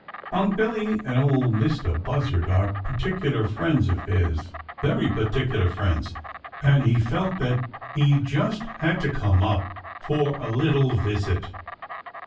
Unc' Billy and Ol' Mistah Buzzard are particular friends of his, very particular friends, and he felt that he just had to come up for a little visit.